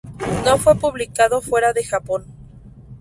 No fue publicado fuera de Japón.